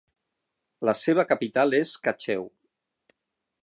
La seva capital és Cacheu.